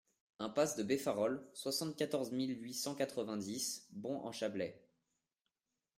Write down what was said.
Impasse de Beffarol, soixante-quatorze mille huit cent quatre-vingt-dix Bons-en-Chablais